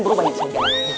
seram banget ustaz